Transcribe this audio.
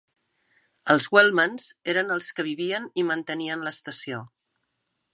Els Wellmans eren els que vivien i mantenien l'estació.